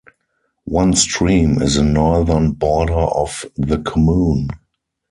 One stream is the northern border of the commune.